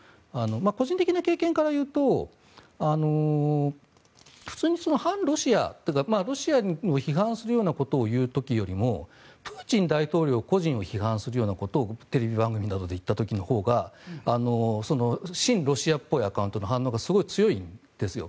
個人的な経験から言うと普通に反ロシアというかロシアを批判するようなことを言うよりもプーチン大統領個人を批判するようなことをテレビ番組などで言った時のほうが親ロシアっぽいアカウントの反応が強いんです。